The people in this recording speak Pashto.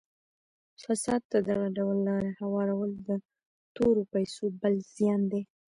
فساد ته دغه ډول لاره هوارول د تورو پیسو بل زیان دی.